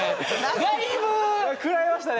だいぶ食らいましたね